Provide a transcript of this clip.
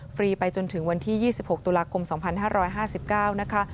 ไปจนถึงวันที่๒๖ตุลาคม๒๕๕๙นะคะ